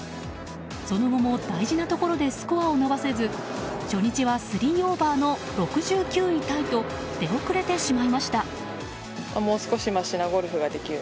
その後も大事なところでスコアを伸ばせず初日は３オーバーの６９位タイと出遅れてしまいました。